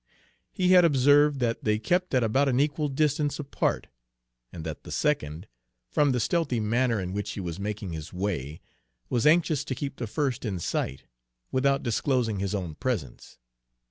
He had observed that they kept at about an equal distance apart, and that the second, from the stealthy manner in which he was making his way, was anxious to keep the first in sight, without disclosing his own presence.